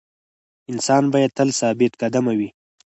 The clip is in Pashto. انسان باید تل ثابت قدمه وي.